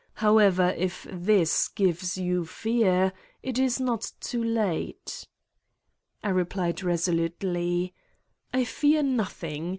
However, if this gives you fear, it is not too late." I replied resolutely: "I fear nothing.